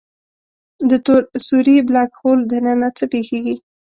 د تور سوری Black Hole دننه څه پېښېږي؟